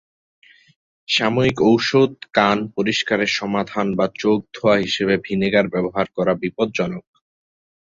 সাময়িক ওষুধ, কান পরিষ্কারের সমাধান বা চোখ ধোয়া হিসাবে ভিনেগার ব্যবহার করা বিপজ্জনক।